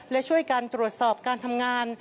และช่วยการตรวจสอบการทำงาน